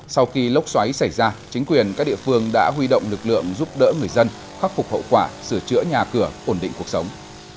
sau khi lốc xoáy xảy ra chính quyền các địa phương đã huy động lực lượng giúp đỡ người dân khắc phục hậu quả sửa chữa nhà cửa ổn định cuộc sống